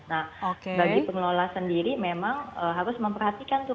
nah bagi pengelola sendiri memang harus memperhatikan tuh